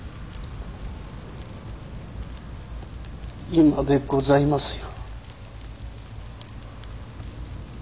今でございますよ。